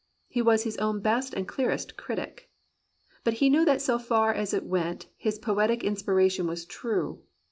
He was his own best and clearest critic. But he knew that so far as it went his poetic in spiration was true.